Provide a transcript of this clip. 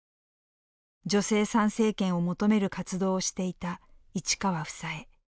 女性参政権を求める活動をしていた市川房枝。